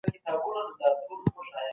د نورو خلکو موندنې مه غلا کوئ.